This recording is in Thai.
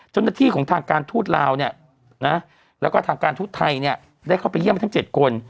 เจ้าหน้าที่ของทางการทูตลาวเนี่ยนะแล้วก็ทางการทูตไทยเนี่ยได้เข้าไปเยี่ยมทั้ง๗คน